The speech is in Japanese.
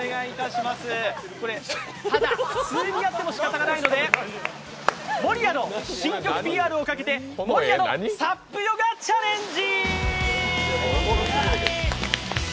ただ、普通にやってもしかたがないので、守屋の新曲ＰＲをかけて、守谷のＳＵＰヨガチャレンジ。